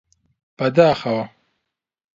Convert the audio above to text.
بەداخەوە!